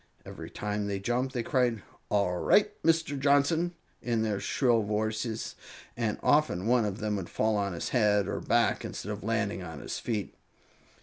Every time they jumped they cried: "All right, Mr. Johnson!" in their shrill voices, and often one of them would fall on his head or back instead of landing on his feet.